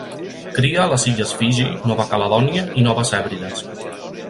Cria a les illes Fiji, Nova Caledònia i Noves Hèbrides.